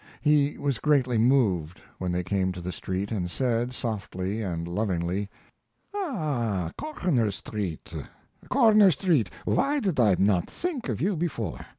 He was greatly moved when they came to the street and said, softly and lovingly: "Ah, Korner Street, Korner Street, why did I not think of you before!